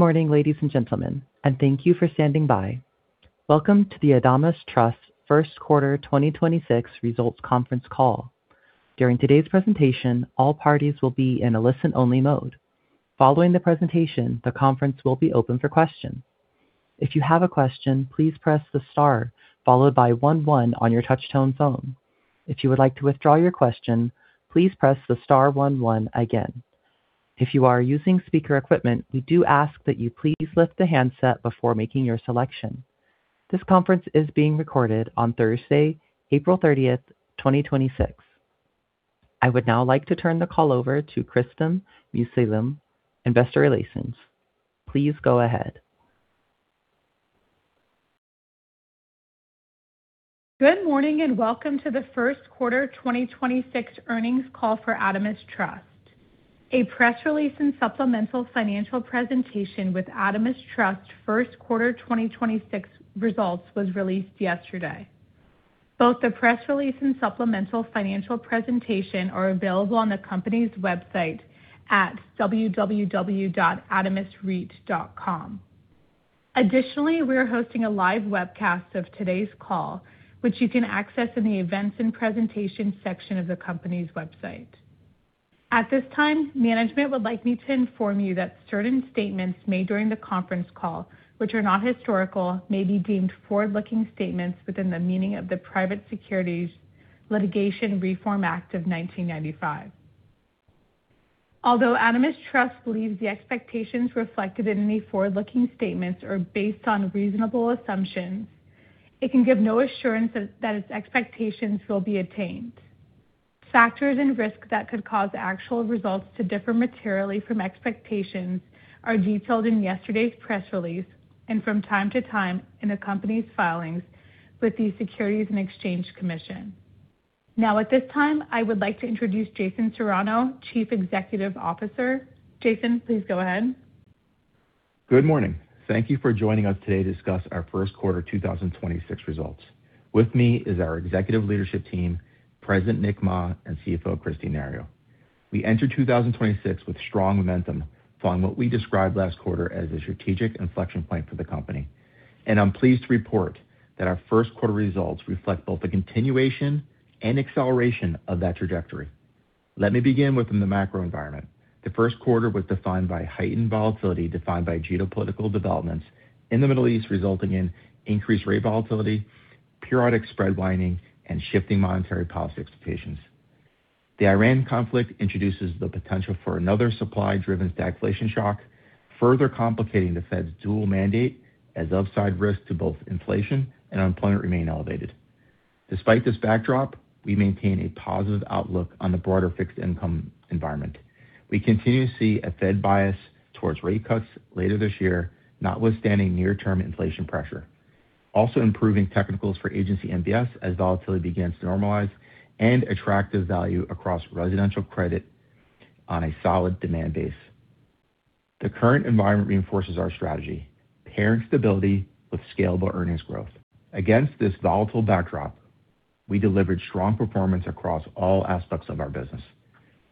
Morning, ladies and gentlemen, and thank you for standing by. Welcome to the Adamas Trust First Quarter 2026 Results Conference Call. During today's presentation, all parties will be in a listen-only mode. Following the presentation, the conference will be open for questions. If you have a question, please press the star followed by one one on your touchtone phone. If you would like to withdraw your question, please press the star one one again. If you are using speaker equipment, we do ask that you please lift the handset before making your selection. This conference is being recorded on Thursday, April 30th, 2026. I would now like to turn the call over to Kristi Mussallem, Investor Relations. Please go ahead. Good morning and welcome to the first quarter 2026 earnings call for Adamas Trust. A press release and supplemental financial presentation with Adamas Trust first quarter 2026 results was released yesterday. Both the press release and supplemental financial presentation are available on the company's website at www.AdamasREIT.com. Additionally, we are hosting a live webcast of today's call, which you can access in the Events and Presentations section of the company's website. At this time, management would like me to inform you that certain statements made during the conference call, which are not historical, may be deemed forward-looking statements within the meaning of the Private Securities Litigation Reform Act of 1995. Although Adamas Trust believes the expectations reflected in any forward-looking statements are based on reasonable assumptions, it can give no assurance that its expectations will be attained. Factors and risks that could cause actual results to differ materially from expectations are detailed in yesterday's press release and from time to time in the company's filings with the Securities and Exchange Commission. At this time, I would like to introduce Jason Serrano, Chief Executive Officer. Jason, please go ahead. Good morning. Thank you for joining us today to discuss our first quarter 2026 results. With me is our executive leadership team, President Nick Mah and CFO Kristine Nario. We entered 2026 with strong momentum following what we described last quarter as a strategic inflection point for the company. I'm pleased to report that our first quarter results reflect both the continuation and acceleration of that trajectory. Let me begin within the macro environment. The first quarter was defined by heightened volatility defined by geopolitical developments in the Middle East, resulting in increased rate volatility, periodic spread widening, and shifting monetary policy expectations. The Iran conflict introduces the potential for another supply-driven stagflation shock, further complicating the Fed's dual mandate as upside risk to both inflation and unemployment remain elevated. Despite this backdrop, we maintain a positive outlook on the broader fixed income environment. We continue to see a Fed bias towards rate cuts later this year, notwithstanding near-term inflation pressure. Improving technicals for Agency MBS as volatility begins to normalize and attractive value across residential credit on a solid demand base. The current environment reinforces our strategy, pairing stability with scalable earnings growth. Against this volatile backdrop, we delivered strong performance across all aspects of our business,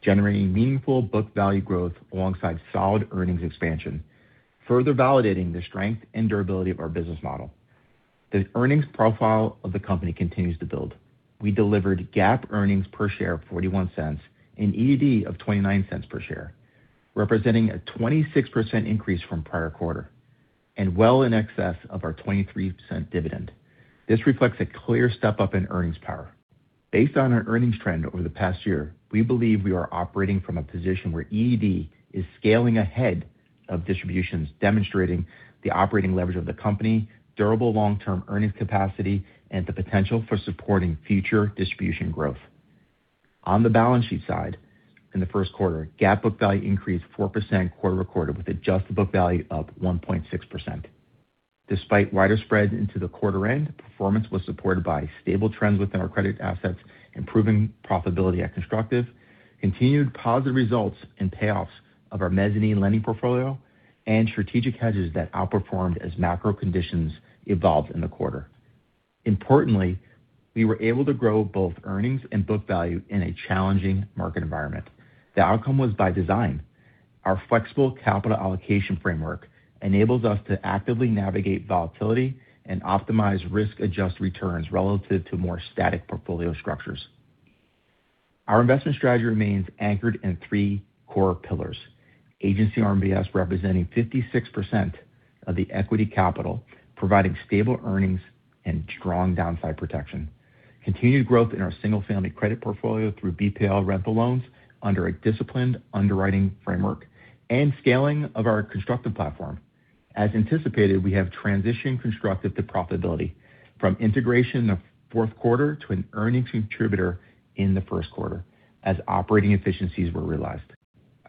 generating meaningful book value growth alongside solid earnings expansion, further validating the strength and durability of our business model. The earnings profile of the company continues to build. We delivered GAAP earnings per share of $0.41 and EAD of $0.29 per share, representing a 26% increase from prior quarter and well in excess of our 23% dividend. This reflects a clear step-up in earnings power. Based on our earnings trend over the past year, we believe we are operating from a position where EAD is scaling ahead of distributions, demonstrating the operating leverage of the company, durable long-term earnings capacity, and the potential for supporting future distribution growth. On the balance sheet side, in the first quarter, GAAP book value increased 4% quarter recorded, with adjusted book value up 1.6%. Despite wider spreads into the quarter end, performance was supported by stable trends within our credit assets, improving profitability at Constructive, continued positive results in payoffs of our mezzanine lending portfolio, and strategic hedges that outperformed as macro conditions evolved in the quarter. Importantly, we were able to grow both earnings and book value in a challenging market environment. The outcome was by design. Our flexible capital allocation framework enables us to actively navigate volatility and optimize risk-adjusted returns relative to more static portfolio structures. Our investment strategy remains anchored in three core pillars: Agency RMBS representing 56% of the equity capital, providing stable earnings and strong downside protection, continued growth in our single-family credit portfolio through BPL rental loans under a disciplined underwriting framework, and scaling of our Constructive platform. As anticipated, we have transitioned Constructive to profitability from integration in the fourth quarter to an earnings contributor in the first quarter as operating efficiencies were realized.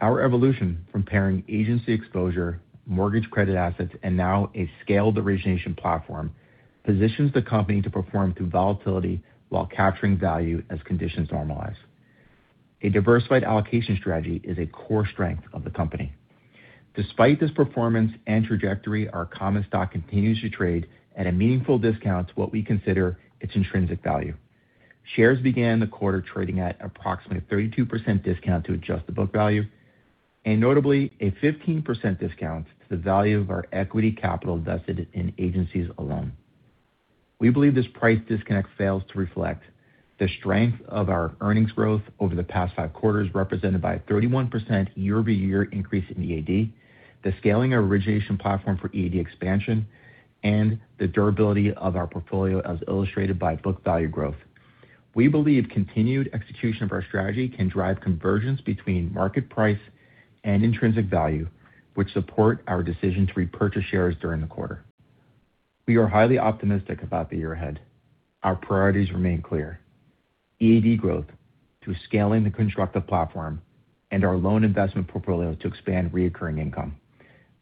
Our evolution from pairing agency exposure, mortgage credit assets, and now a scaled origination platform positions the company to perform through volatility while capturing value as conditions normalize. A diversified allocation strategy is a core strength of the company. Despite this performance and trajectory, our common stock continues to trade at a meaningful discount to what we consider its intrinsic value. Shares began the quarter trading at approximately 32% discount to adjusted book value, and notably a 15% discount to the value of our equity capital invested in agencies alone. We believe this price disconnect fails to reflect the strength of our earnings growth over the past five quarters, represented by a 31% year-over-year increase in EAD, the scaling origination platform for EAD expansion, and the durability of our portfolio as illustrated by book value growth. We believe continued execution of our strategy can drive convergence between market price and intrinsic value, which support our decision to repurchase shares during the quarter. We are highly optimistic about the year ahead. Our priorities remain clear. EAD growth through scaling the Constructive platform and our loan investment portfolio to expand reoccurring income.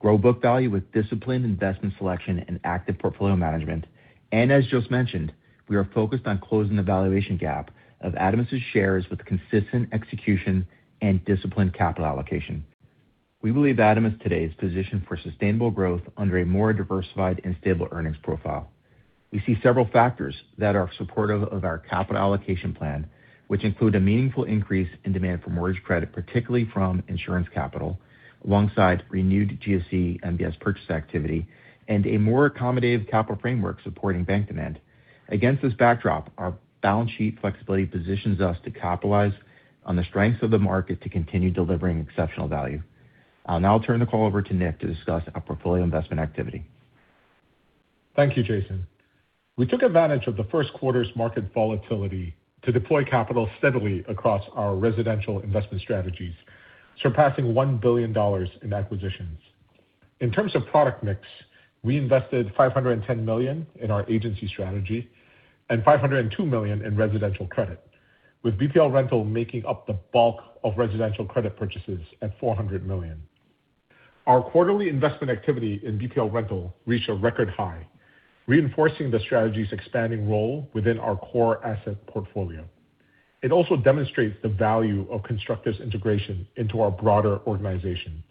Grow book value with disciplined investment selection and active portfolio management. As I just mentioned, we are focused on closing the valuation gap of Adamas's shares with consistent execution and disciplined capital allocation. We believe Adamas's today is positioned for sustainable growth under a more diversified and stable earnings profile. We see several factors that are supportive of our capital allocation plan, which include a meaningful increase in demand for mortgage credit, particularly from insurance capital, alongside renewed GSE MBS purchase activity and a more accommodative capital framework supporting bank demand. Against this backdrop, our balance sheet flexibility positions us to capitalize on the strengths of the market to continue delivering exceptional value. I'll now turn the call over to Nick to discuss our portfolio investment activity. Thank you, Jason. We took advantage of the first quarter's market volatility to deploy capital steadily across our residential investment strategies, surpassing $1 billion in acquisitions. In terms of product mix, we invested $510 million in our agency strategy and $502 million in residential credit, with BPL Rental making up the bulk of residential credit purchases at $400 million. Our quarterly investment activity in BPL Rental reached a record high, reinforcing the strategy's expanding role within our core asset portfolio. It also demonstrates the value of Constructive integration into our broader organization,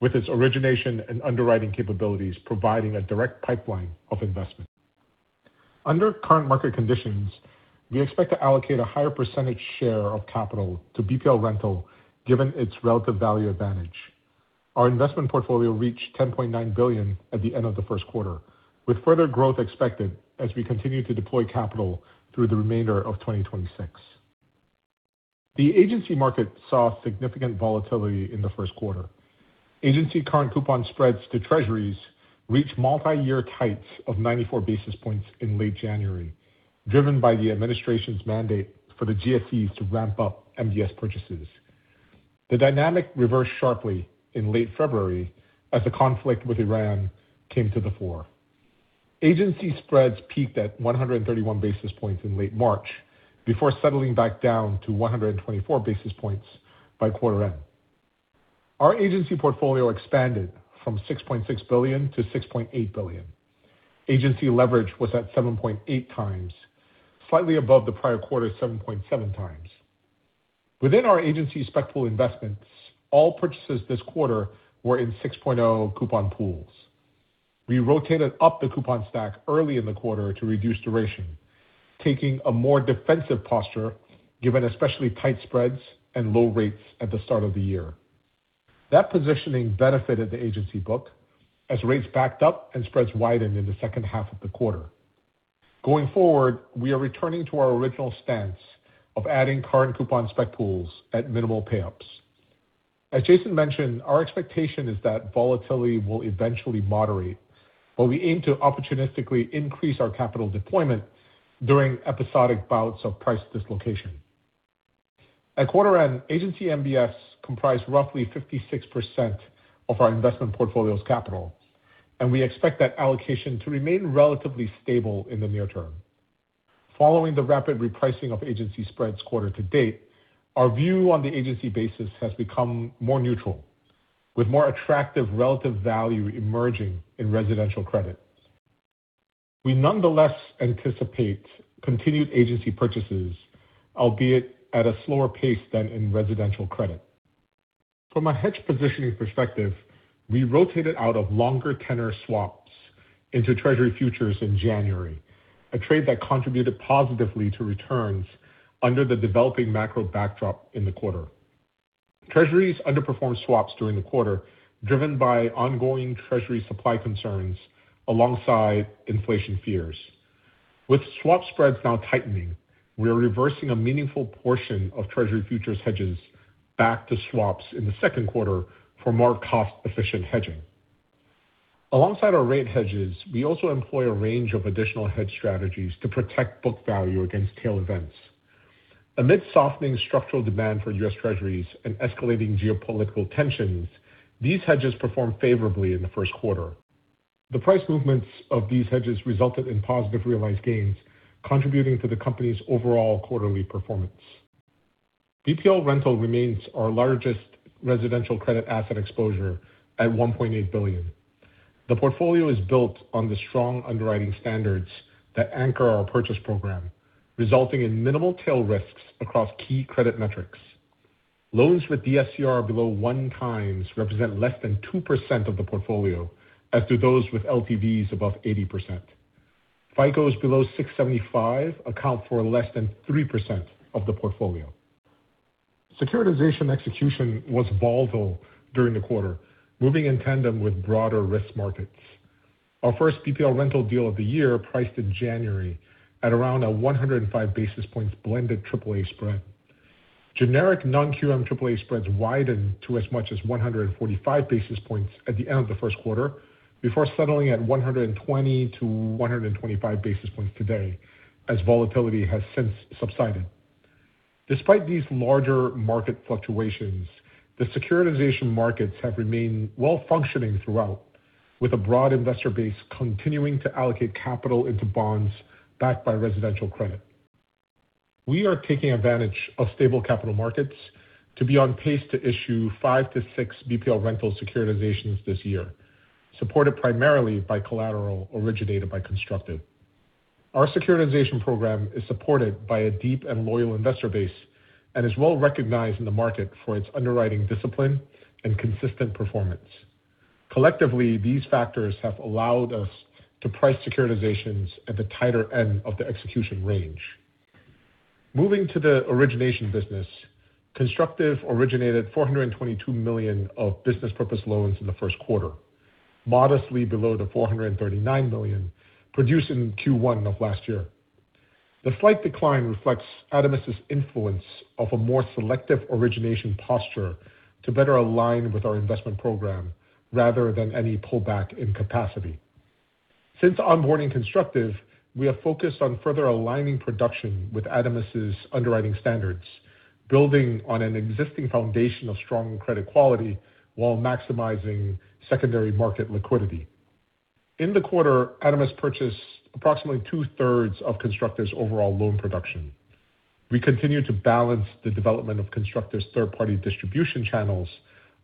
with its origination and underwriting capabilities providing a direct pipeline of investment. Under current market conditions, we expect to allocate a higher percentage share of capital to BPL Rental given its relative value advantage. Our investment portfolio reached $10.9 billion at the end of the first quarter, with further growth expected as we continue to deploy capital through the remainder of 2026. The Agency market saw significant volatility in the first quarter. Agency current coupon spreads to treasuries reached multi-year heights of 94 basis points in late January, driven by the administration's mandate for the GSEs to ramp up MBS purchases. The dynamic reversed sharply in late February as the conflict with Iran came to the fore. Agency spreads peaked at 131 basis points in late March before settling back down to 124 basis points by quarter end. Our Agency portfolio expanded from $6.6 billion-$6.8 billion. Agency leverage was at 7.8 times, slightly above the prior quarter's 7.7 times. Within our Agency spec pool investments, all purchases this quarter were in 6.0 coupon pools. We rotated up the coupon stack early in the quarter to reduce duration, taking a more defensive posture given especially tight spreads and low rates at the start of the year. That positioning benefited the agency book as rates backed up and spreads widened in the second half of the quarter. Going forward, we are returning to our original stance of adding current coupon spec pools at minimal pay-ups. As Jason mentioned, our expectation is that volatility will eventually moderate, but we aim to opportunistically increase our capital deployment during episodic bouts of price dislocation. At quarter end, Agency MBS comprised roughly 56% of our investment portfolio's capital, and we expect that allocation to remain relatively stable in the near term. Following the rapid repricing of Agency spreads quarter to date, our view on the Agency basis has become more neutral, with more attractive relative value emerging in residential credit. We nonetheless anticipate continued Agency purchases, albeit at a slower pace than in residential credit. From a hedge positioning perspective, we rotated out of longer tenor swaps into treasury futures in January, a trade that contributed positively to returns under the developing macro backdrop in the quarter. Treasuries underperformed swaps during the quarter, driven by ongoing treasury supply concerns alongside inflation fears. With swap spreads now tightening, we are reversing a meaningful portion of treasury futures hedges back to swaps in the second quarter for more cost-efficient hedging. Alongside our rate hedges, we also employ a range of additional hedge strategies to protect book value against tail events. Amid softening structural demand for U.S. Treasuries and escalating geopolitical tensions, these hedges performed favorably in the first quarter. The price movements of these hedges resulted in positive realized gains, contributing to the company's overall quarterly performance. BPL Rental remains our largest residential credit asset exposure at $1.8 billion. The portfolio is built on the strong underwriting standards that anchor our purchase program, resulting in minimal tail risks across key credit metrics. Loans with DSCR below one times represent less than 2% of the portfolio as to those with LTVs above 80%. FICOs below 675 account for less than 3% of the portfolio. Securitization execution was volatile during the quarter, moving in tandem with broader risk markets. Our first BPL Rental deal of the year priced in January at around 105 basis points blended AAA spread. Generic non-QM AAA spreads widened to as much as 145 basis points at the end of the first quarter before settling at 120-125 basis points today as volatility has since subsided. Despite these larger market fluctuations, the securitization markets have remained well functioning throughout, with a broad investor base continuing to allocate capital into bonds backed by residential credit. We are taking advantage of stable capital markets to be on pace to issue five to six BPL Rental securitizations this year, supported primarily by collateral originated by Constructive. Our securitization program is supported by a deep and loyal investor base and is well recognized in the market for its underwriting discipline and consistent performance. Collectively, these factors have allowed us to price securitizations at the tighter end of the execution range. Moving to the origination business, Constructive originated $422 million of business purpose loans in the first quarter, modestly below the $439 million produced in Q1 of last year. The slight decline reflects Adamas' influence of a more selective origination posture to better align with our investment program rather than any pullback in capacity. Since onboarding Constructive, we have focused on further aligning production with Adamas' underwriting standards, building on an existing foundation of strong credit quality while maximizing secondary market liquidity. In the quarter, Adamas purchased approximately two-thirds of Constructive's overall loan production. We continue to balance the development of Constructive's third-party distribution channels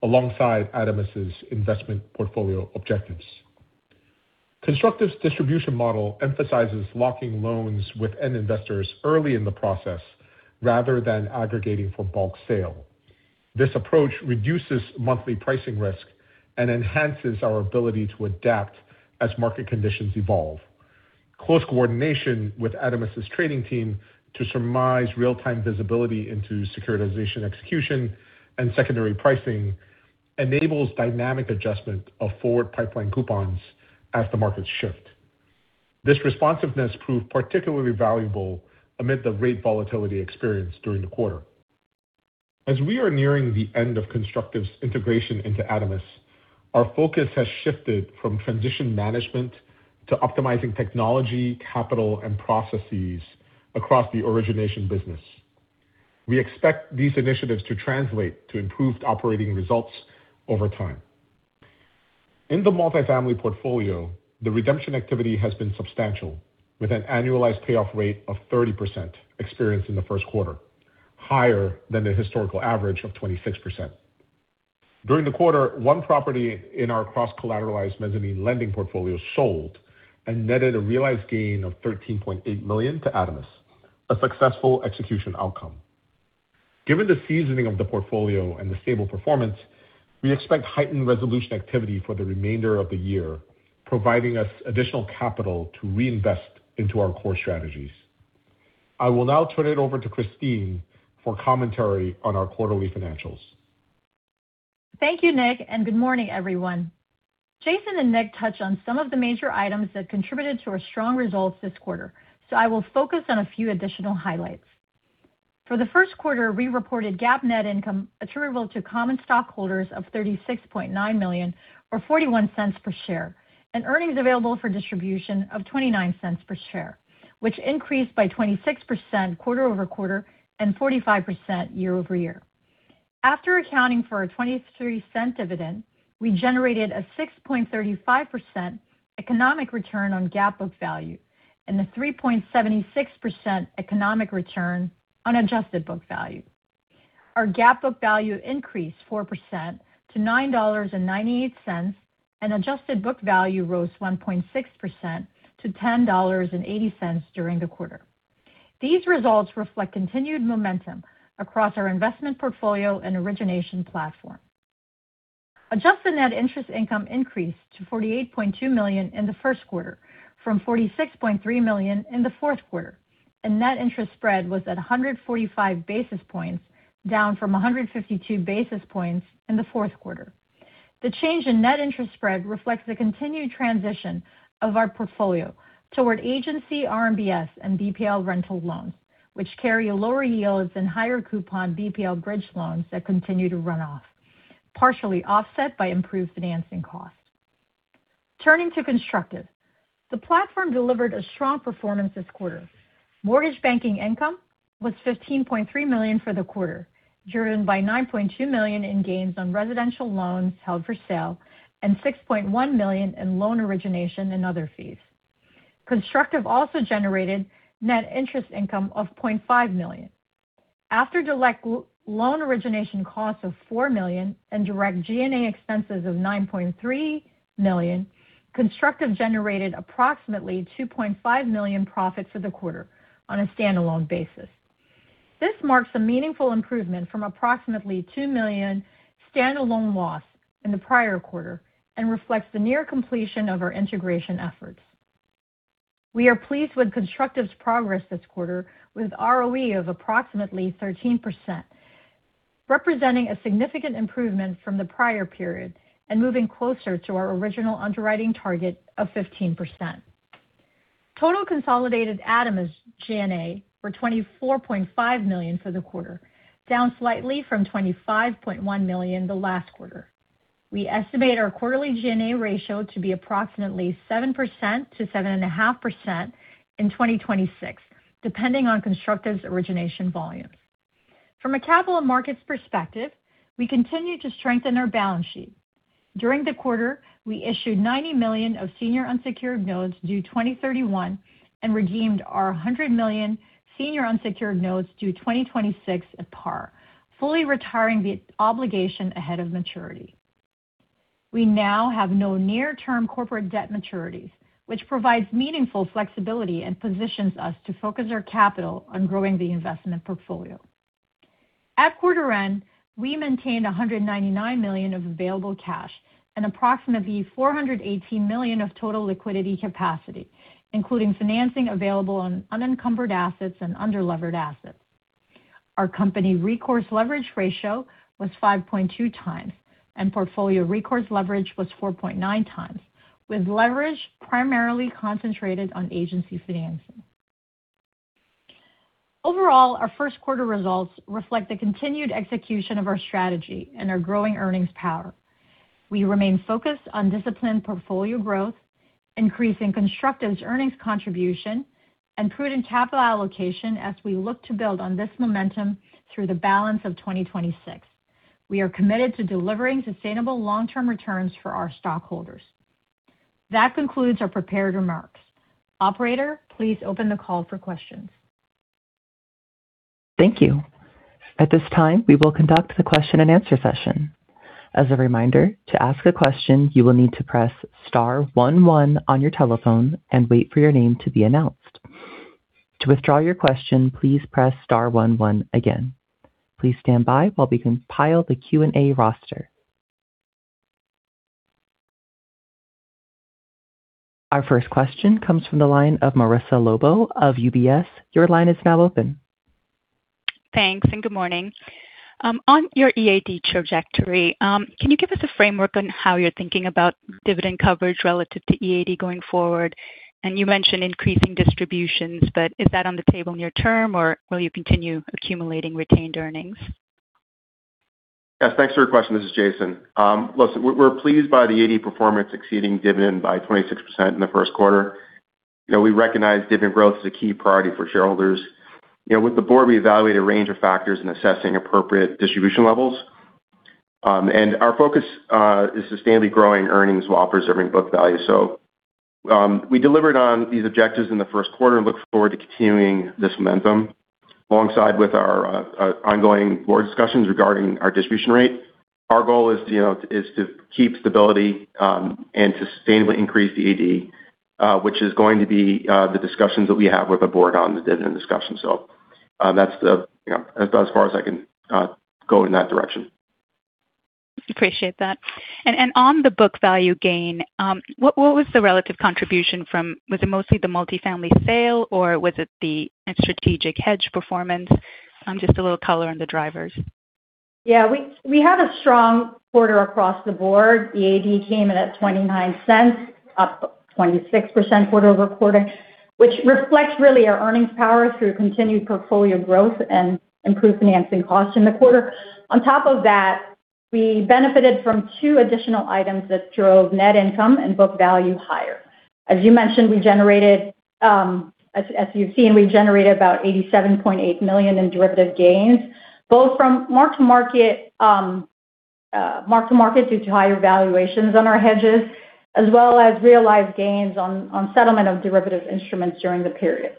alongside Adamas' investment portfolio objectives. Constructive's distribution model emphasizes locking loans with end investors early in the process rather than aggregating for bulk sale. This approach reduces monthly pricing risk and enhances our ability to adapt as market conditions evolve. Close coordination with Adamas' trading team to surmise real-time visibility into securitization execution and secondary pricing enables dynamic adjustment of forward pipeline coupons as the markets shift. This responsiveness proved particularly valuable amid the rate volatility experience during the quarter. As we are nearing the end of Constructive's integration into Adamas, our focus has shifted from transition management to optimizing technology, capital, and processes across the origination business. We expect these initiatives to translate to improved operating results over time. In the multifamily portfolio, the redemption activity has been substantial, with an annualized payoff rate of 30% experienced in the first quarter, higher than the historical average of 26%. During the quarter, one property in our cross-collateralized mezzanine lending portfolio sold and netted a realized gain of $13.8 million to Adamas, a successful execution outcome. Given the seasoning of the portfolio and the stable performance, we expect heightened resolution activity for the remainder of the year, providing us additional capital to reinvest into our core strategies. I will now turn it over to Kristine for commentary on our quarterly financials. Thank you, Nick, and good morning, everyone. Jason and Nick touched on some of the major items that contributed to our strong results this quarter. I will focus on a few additional highlights. For the first quarter, we reported GAAP net income attributable to common stockholders of $36.9 million or $0.41 per share, and earnings available for distribution of $0.29 per share, which increased by 26% quarter-over-quarter and 45% year-over-year. After accounting for a $0.23 dividend, we generated a 6.35% economic return on GAAP book value and a 3.76% economic return on adjusted book value. Our GAAP book value increased 4% to $9.98. Adjusted book value rose 1.6% to $10.80 during the quarter. These results reflect continued momentum across our investment portfolio and origination platform. Adjusted net interest income increased to $48.2 million in the first quarter from $46.3 million in the fourth quarter. Net interest spread was at 145 basis points, down from 152 basis points in the fourth quarter. The change in net interest spread reflects the continued transition of our portfolio toward Agency RMBS and BPL rental loans, which carry lower yields and higher coupon BPL bridge loans that continue to run off, partially offset by improved financing costs. Turning to Constructive, the platform delivered a strong performance this quarter. Mortgage banking income was $15.3 million for the quarter, driven by $9.2 million in gains on residential loans held for sale and $6.1 million in loan origination and other fees. Constructive also generated net interest income of $0.5 million. After loan origination costs of $4 million and direct G&A expenses of $9.3 million, Constructive generated approximately $2.5 million profits for the quarter on a standalone basis. This marks a meaningful improvement from approximately $2 million standalone loss in the prior quarter and reflects the near completion of our integration efforts. We are pleased with Constructive's progress this quarter, with ROE of approximately 13%, representing a significant improvement from the prior period and moving closer to our original underwriting target of 15%. Total consolidated Adamas G&A were $24.5 million for the quarter, down slightly from $25.1 million the last quarter. We estimate our quarterly G&A ratio to be approximately 7%-7.5% in 2026, depending on Constructive's origination volumes. From a capital markets perspective, we continue to strengthen our balance sheet. During the quarter, we issued $90 million of senior unsecured notes due 2031 and redeemed our $100 million senior unsecured notes due 2026 at par, fully retiring the obligation ahead of maturity. We now have no near-term corporate debt maturities, which provides meaningful flexibility and positions us to focus our capital on growing the investment portfolio. At quarter end, we maintained $199 million of available cash and approximately $418 million of total liquidity capacity, including financing available on unencumbered assets and underlevered assets. Our company recourse leverage ratio was 5.2 times, and portfolio recourse leverage was 4.9 times, with leverage primarily concentrated on agency financing. Overall, our first quarter results reflect the continued execution of our strategy and our growing earnings power. We remain focused on disciplined portfolio growth, increasing Constructive's earnings contribution, and prudent capital allocation as we look to build on this momentum through the balance of 2026. We are committed to delivering sustainable long-term returns for our stockholders. That concludes our prepared remarks. Operator, please open the call for questions. Thank you. At this time, we will conduct the question-and-answer session. As a reminder, to ask a question, you will need to press star one one on your telephone and wait for your name to be announced. To withdraw your question, please press star one one again. Please stand by while we compile the Q&A roster. Our first question comes from the line of Marissa Lobo of UBS. Your line is now open. Thanks, and good morning. On your EAD trajectory, can you give us a framework on how you're thinking about dividend coverage relative to EAD going forward? You mentioned increasing distributions, is that on the table near term, or will you continue accumulating retained earnings? Yes, thanks for your question. This is Jason. Listen, we're pleased by the EAD performance exceeding dividend by 26% in the first quarter. You know, we recognize dividend growth is a key priority for shareholders. You know, with the board, we evaluate a range of factors in assessing appropriate distribution levels. Our focus is sustainably growing earnings while preserving book value. We delivered on these objectives in the first quarter and look forward to continuing this momentum alongside with our ongoing board discussions regarding our distribution rate. Our goal is, you know, to keep stability and sustainably increase the EAD, which is going to be the discussions that we have with the board on the dividend discussion. That's, you know, about as far as I can go in that direction. Appreciate that. On the book value gain, what was the relative contribution? Was it mostly the multifamily sale, or was it the strategic hedge performance? Just a little color on the drivers. Yeah, we had a strong quarter across the board. The EAD came in at $0.29, up 26% quarter-over-quarter, which reflects really our earnings power through continued portfolio growth and improved financing costs in the quarter. On top of that, we benefited from two additional items that drove net income and book value higher. As you mentioned, we generated, as you've seen, we generated about $87.8 million in derivative gains, both from mark-to-market, mark-to-market due to higher valuations on our hedges, as well as realized gains on settlement of derivative instruments during the period.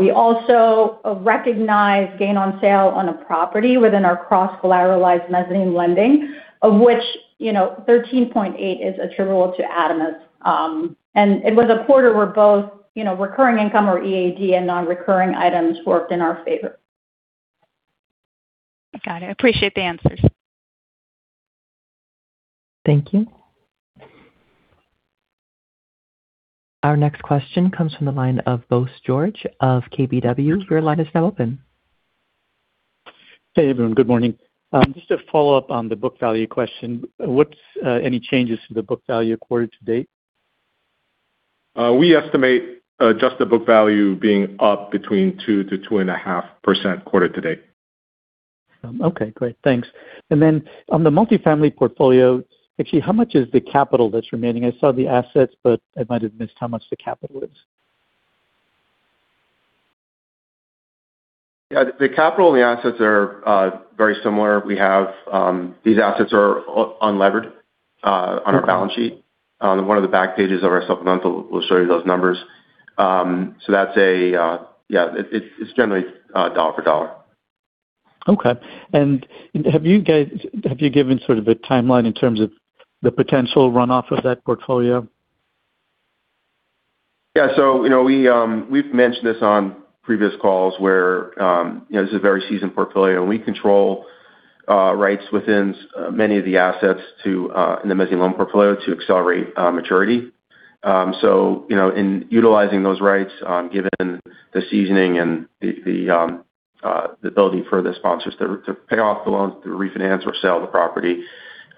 We also recognized gain on sale on a property within our cross-collateralized mezzanine lending, of which, you know, $13.8 is attributable to Adamas. It was a quarter where both, you know, recurring income or EAD and non-recurring items worked in our favor. Got it. Appreciate the answers. Thank you. Our next question comes from the line of Bose George of KBW. Your line is now open. Hey, everyone. Good morning. Just to follow up on the book value question, what's any changes to the book value quarter to date? We estimate adjusted book value being up between 2%-2.5% quarter to date. Okay, great. Thanks. On the multifamily portfolio, actually, how much is the capital that's remaining? I saw the assets, but I might have missed how much the capital is. Yeah. The capital and the assets are very similar. These assets are unlevered on our balance sheet. One of the back pages of our supplemental will show you those numbers. That's a, yeah, it's generally dollar for dollar. Okay. Have you given sort of a timeline in terms of the potential runoff of that portfolio? Yeah. You know, we've mentioned this on previous calls where, you know, this is a very seasoned portfolio, and we control rights within many of the assets to in the mezzanine loan portfolio to accelerate maturity. You know, in utilizing those rights on given the seasoning and the ability for the sponsors to pay off the loans through refinance or sell the property,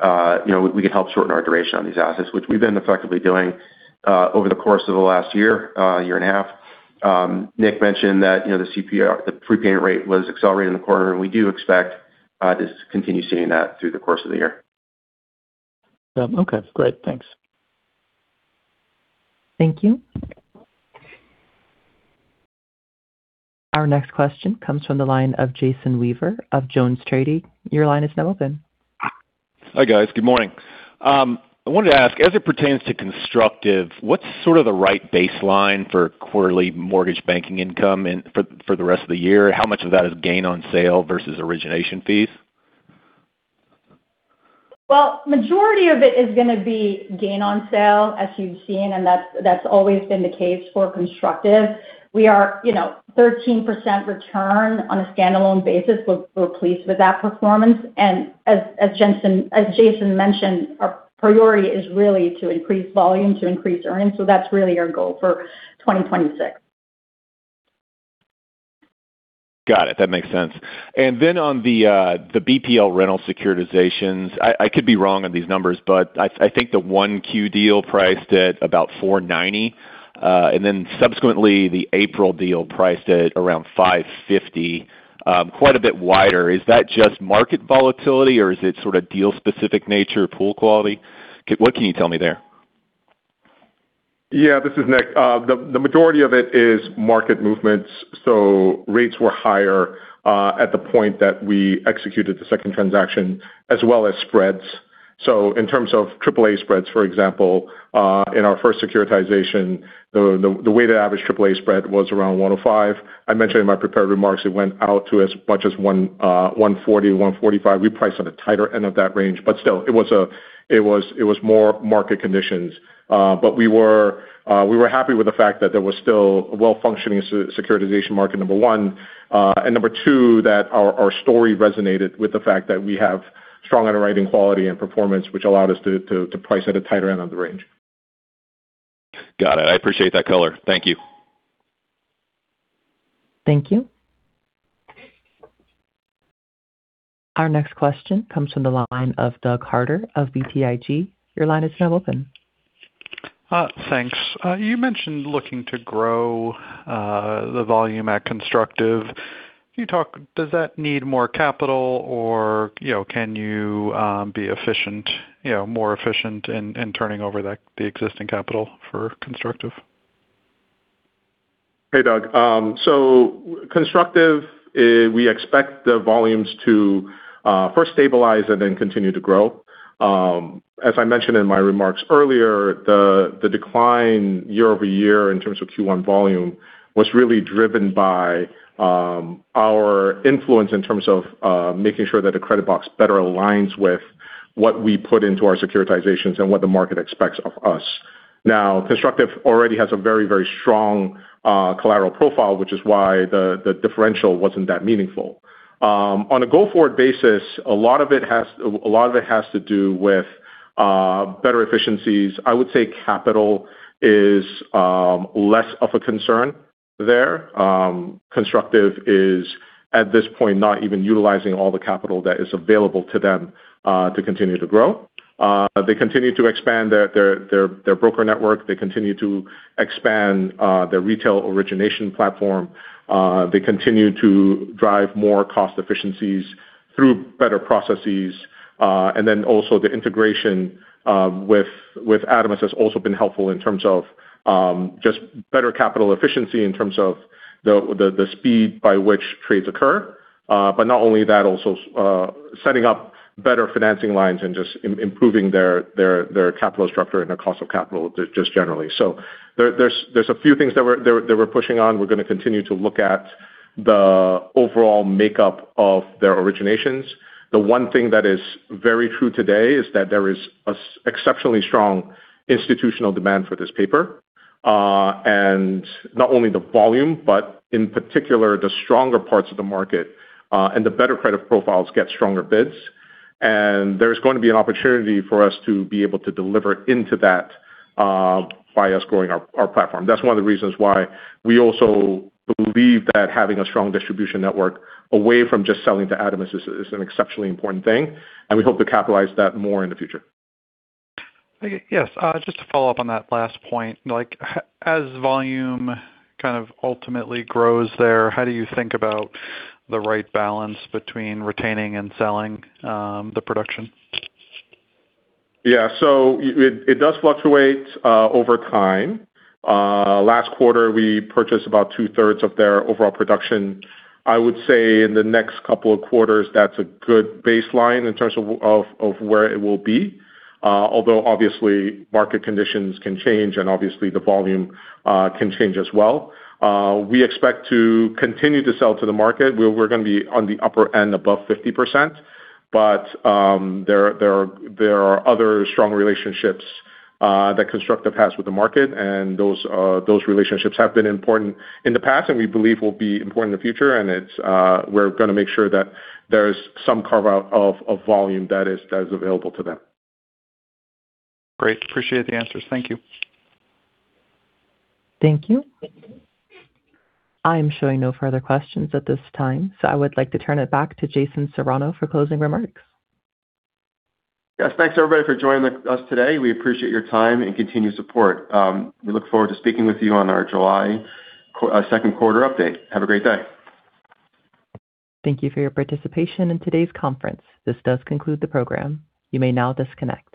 you know, we can help shorten our duration on these assets, which we've been effectively doing over the course of the last year and a half. Nick mentioned that, you know, the CPR-- the prepayment rate was accelerated in the quarter, and we do expect to continue seeing that through the course of the year. Yeah. Okay, great. Thanks. Thank you. Our next question comes from the line of Jason Weaver of Jones Trading. Your line is now open. Hi, guys. Good morning. I wanted to ask, as it pertains to Constructive, what's sort of the right baseline for quarterly mortgage banking income for the rest of the year? How much of that is gain on sale versus origination fees? Well, majority of it is gonna be gain on sale, as you've seen, and that's always been the case for Constructive. We are, you know, 13% return on a standalone basis. We're pleased with that performance. As Jason mentioned, our priority is really to increase volume, to increase earnings, so that's really our goal for 2026. Got it. That makes sense. Then on the BPL Rental securitizations, I could be wrong on these numbers, but I think the 1Q deal priced at about 490, and then subsequently the April deal priced at around 550, quite a bit wider. Is that just market volatility, or is it sort of deal specific nature, pool quality? What can you tell me there? Yeah. This is Nick. The majority of it is market movements. Rates were higher at the point that we executed the second transaction, as well as spreads. In terms of AAA spreads, for example, in our first securitization, the weighted average AAA spread was around 105. I mentioned in my prepared remarks it went out to as much as 140, 145. We priced on a tighter end of that range, but still it was more market conditions. But we were happy with the fact that there was still a well-functioning securitization market, number 1. Number 2, that our story resonated with the fact that we have strong underwriting quality and performance, which allowed us to price at a tighter end of the range. Got it. I appreciate that color. Thank you. Thank you. Our next question comes from the line of Doug Harter of BTIG. Your line is now open. Thanks. You mentioned looking to grow the volume at Constructive. Does that need more capital or, you know, can you be efficient, you know, more efficient in turning over that, the existing capital for Constructive? Hey, Doug. Constructive, we expect the volumes to first stabilize and then continue to grow. As I mentioned in my remarks earlier, the decline year-over-year in terms of Q1 volume was really driven by our influence in terms of making sure that the credit box better aligns with what we put into our securitizations and what the market expects of us. Constructive already has a very, very strong collateral profile, which is why the differential wasn't that meaningful. On a go-forward basis, a lot of it has to do with better efficiencies. I would say capital is less of a concern there. Constructive is, at this point, not even utilizing all the capital that is available to them to continue to grow. They continue to expand their broker network. They continue to expand their retail origination platform. They continue to drive more cost efficiencies through better processes. Then also the integration with Adamas has also been helpful in terms of just better capital efficiency in terms of the speed by which trades occur. Not only that, also, setting up better financing lines and just improving their capital structure and their cost of capital just generally. There's a few things that we're pushing on. We're gonna continue to look at the overall makeup of their originations. The one thing that is very true today is that there is an exceptionally strong institutional demand for this paper, and not only the volume, but in particular, the stronger parts of the market, and the better credit profiles get stronger bids. There's going to be an opportunity for us to be able to deliver into that, by us growing our platform. That's one of the reasons why we also believe that having a strong distribution network away from just selling to Adamas is an exceptionally important thing. We hope to capitalize that more in the future. Yes. Just to follow up on that last point, like, as volume kind of ultimately grows there, how do you think about the right balance between retaining and selling, the production? It does fluctuate over time. Last quarter, we purchased about two-thirds of their overall production. I would say in the next couple of quarters, that's a good baseline in terms of where it will be, although obviously market conditions can change, and obviously the volume can change as well. We expect to continue to sell to the market. We're gonna be on the upper end above 50%. There are other strong relationships that Constructive has with the market, and those relationships have been important in the past and we believe will be important in the future. It's we're gonna make sure that there's some carve-out of volume that is available to them. Great. Appreciate the answers. Thank you. Thank you. I am showing no further questions at this time. I would like to turn it back to Jason Serrano for closing remarks. Yes. Thanks, everybody, for joining us today. We appreciate your time and continued support. We look forward to speaking with you on our July second quarter update. Have a great day. Thank you for your participation in today's conference. This does conclude the program. You may now disconnect.